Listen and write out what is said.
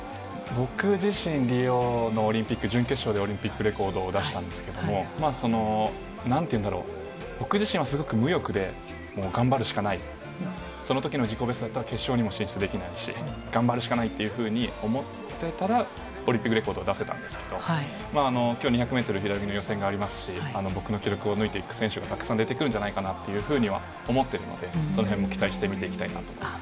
僕自身、リオのオリンピック、準決勝でオリンピックレコードを出したんですけども、なんていうんだろう、僕自身はすごく無欲で、頑張るしかない、そのときの自己ベストだったら、決勝にも進出できないし、頑張るしかないっていうふうに思ってたら、オリンピックレコード出せたんですけど、きょう、２００メートル平泳ぎの予選がありますし、僕の記録を抜いていく選手がたくさん出てくるんじゃないかなというふうには思ってるので、そのへんも期待して見ていきたいなと思います。